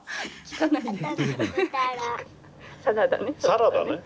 サラダね？